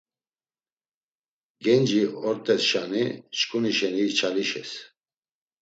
Genci ort̆esşani çkuni şeni içalişes.